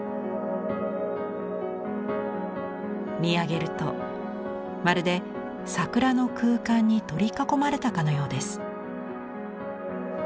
見上げるとまるで桜の空間に取り囲まれたかのようです。